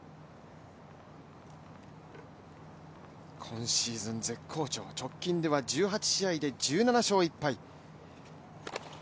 今シーズン絶好調、直近では、１８試合で１７勝１敗。